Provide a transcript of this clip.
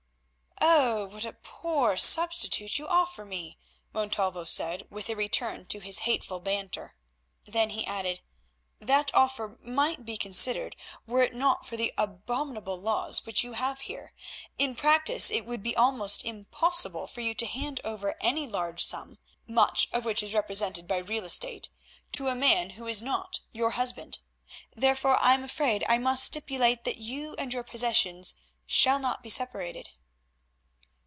"Oh! what a poor substitute you offer me," Montalvo said, with a return to his hateful banter. Then he added, "That offer might be considered were it not for the abominable laws which you have here. In practice it would be almost impossible for you to hand over any large sum, much of which is represented by real estate, to a man who is not your husband. Therefore I am afraid I must stipulate that you and your possessions shall not be separated."